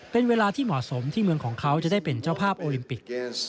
เป็นเวลาที่เหมาะสมที่เมืองของเขาจะได้เป็นเจ้าภาพโอลิมปิก